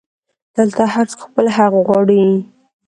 دلته هرڅوک خپل حق غواړي